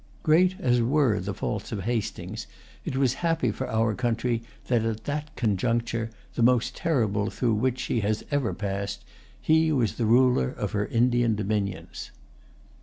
Great as were the faults of Hastings, it was happy for our country that at that conjuncture, the most terrible through which she has ever passed, he was the ruler of her Indian dominions.